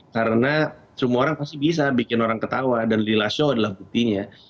karena semua orang pasti bisa bikin orang ketawa dan lila show adalah buktinya